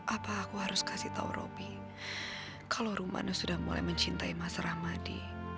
apa aku harus kasih tahu robi kalau romana sudah mulai mencintai mas rahmadi